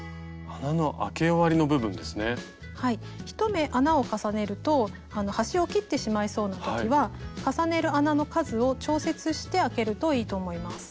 １目穴を重ねると端を切ってしまいそうな時は重ねる穴の数を調節してあけるといいと思います。